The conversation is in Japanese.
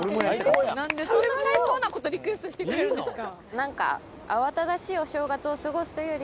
何でそんな最高なことリクエストしてくれるんですか。